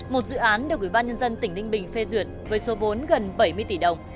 một dự án được ủy ban nhân dân tỉnh ninh bình phê duyệt với số vốn gần bảy mươi tỷ đồng